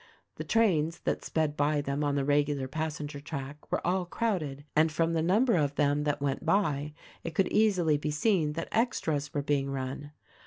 The trains that sped by them on the regular passenger track were all crowded, and from the number of them that went by it could easily be seen that extras were being run.